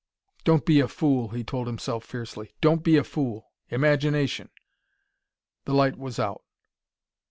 "Don't be a fool," he told himself fiercely. "Don't be a fool! Imagination!" The light was out.